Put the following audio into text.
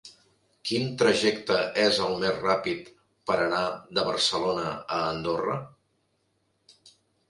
Quin trajecte és el més ràpid per anar de Barcelona a Andorra?